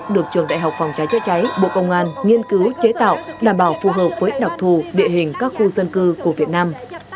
được trường đại học phòng cháy chữa cháy bộ công an nghiên cứu chế tạo đảm bảo phù hợp với đặc thù địa hình các khu dân cư của việt nam